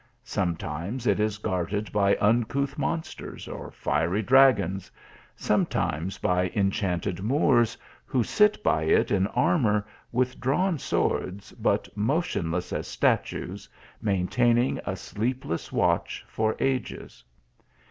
Sometimes it is guarded by uncouth mon sters, or fiery dragons ; sometimes by enchanted Moors, who sit by it in armour, with drawn swords, but motionless as statues, maintaining a sleepless watch for ages.